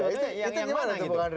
itu yang mana itu